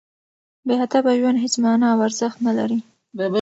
بې هدفه ژوند هېڅ مانا او ارزښت نه لري.